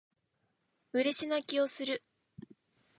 嬉し泣きをする